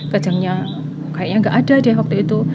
kajangnya kayaknya nggak ada deh waktu itu